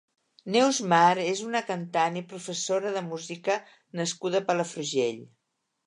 Neus Mar és una cantant i professora de música nascuda a Palafrugell.